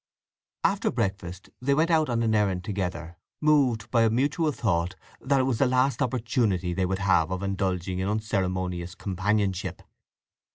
After breakfast they went out on an errand together moved by a mutual thought that it was the last opportunity they would have of indulging in unceremonious companionship.